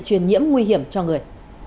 truyền nhiễm nguy hiểm cho người